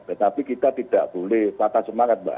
tetapi kita tidak boleh patah semangat mbak